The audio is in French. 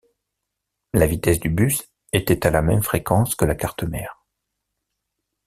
La vitesse du bus était à la même fréquence que la carte mère.